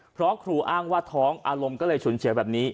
เพราะครูอ้างว่าท้องอารมณ์ก็เลยฉุนเฉียวแบบนี้